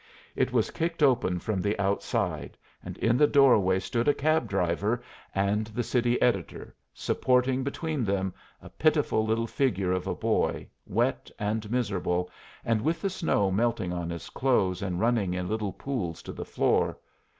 It was kicked open from the outside, and in the doorway stood a cab driver and the city editor, supporting between them a pitiful little figure of a boy, wet and miserable, and with the snow melting on his clothes and running in little pools to the floor.